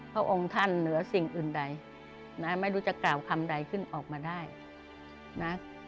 พระองค์ท่านเหนือสิ่งอื่นใดนะไม่รู้จะกล่าวคำใดขึ้นออกมาได้นะ